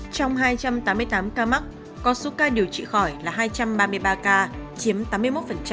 trong hai trăm tám mươi tám ca mắc có số ca điều trị khỏi là hai trăm ba mươi ba ca chiếm tám mươi một